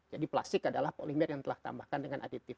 jadi plastik adalah polimer yang telah ditambahkan dengan aditif